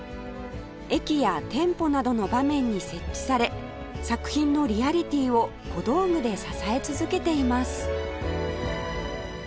駅や店舗などの場面に設置され作品のリアリティーを小道具で支え続けています